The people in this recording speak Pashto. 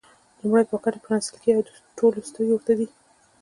لومړی پاکټ پرانېستل کېږي او د ټولو سترګې ورته دي.